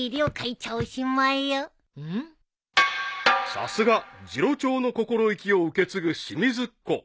［さすが次郎長の心意気を受け継ぐ清水っ子］